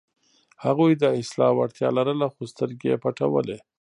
هغوی د اصلاح وړتیا لرله، خو سترګې یې پټولې.